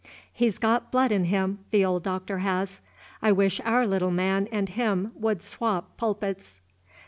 He 's got blood in him, the old Doctor has. I wish our little man and him would swop pulpits."